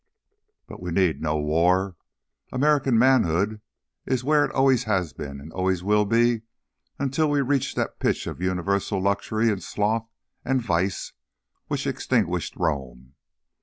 But we need no war. American manhood is where it always has been and always will be until we reach that pitch of universal luxury and sloth and vice which extinguished Rome.